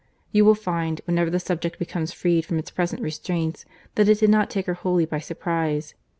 You will find, whenever the subject becomes freed from its present restraints, that it did not take her wholly by surprize.